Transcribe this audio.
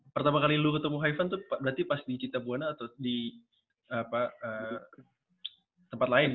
pertama kali lu ketemu haifan tuh berarti pas di cittabuana atau di tempat lain gitu